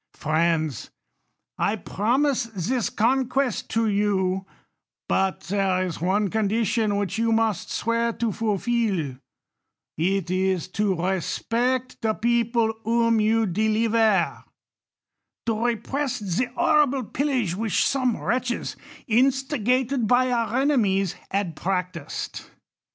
Friends, I promise this conquest to you ; but there is one condition which you must swear to fulfil ; it is to respect the people whom you deliver ; to repress the horrible pillage which some wTetches, instigated by our enemies, had practised.